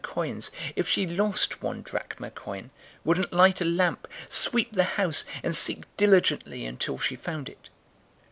} coins, if she lost one drachma coin, wouldn't light a lamp, sweep the house, and seek diligently until she found it?